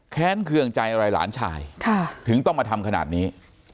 เคืองใจอะไรหลานชายถึงต้องมาทำขนาดนี้